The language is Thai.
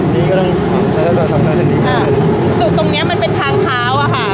นี่ก็ได้อ่าจุดตรงเนี้ยมันเป็นทางขาวอ่ะค่ะ